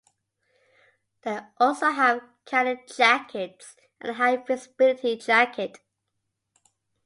They also have cadet jackets and a high visibility jacket.